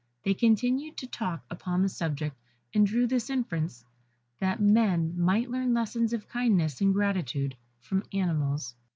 They continued to talk upon the subject, and drew this inference, that men might learn lessons of kindness and gratitude from animals.